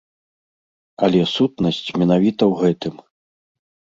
Але сутнасць менавіта ў гэтым.